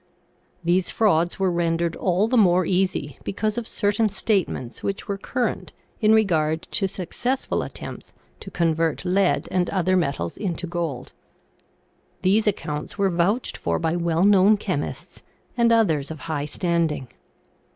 These frauds were rendered all the more easy because of certain statements which were current in regard to suc cessful attempts to convert lead and other metals into gold. These accounts were vouched for by well known chemists and others of high standing.